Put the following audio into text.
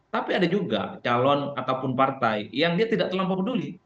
tapi ada juga calon ataupun partai yang dia tidak terlampau peduli